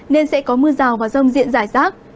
nên sẽ có mưa rào và rông diện rải rác